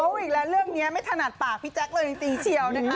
เอาอีกแล้วเรื่องนี้ไม่ถนัดปากพี่แจ๊คเลยจริงเชียวนะคะ